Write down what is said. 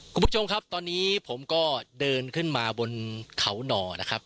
คุณผู้ชมครับตอนนี้ผมก็เดินขึ้นมาบนเขาหน่อนะครับ